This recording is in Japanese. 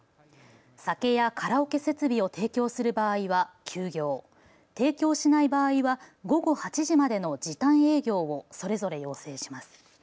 酒やカラオケ設備を提供する場合は休業、提供しない場合は午後８時までの時短営業をそれぞれ要請します。